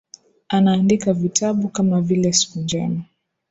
Anaandika vitabu kama vile siku njema